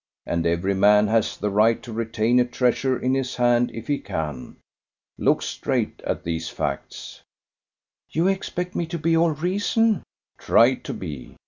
And every man has the right to retain a treasure in his hand if he can. Look straight at these facts." "You expect me to be all reason!" "Try to be.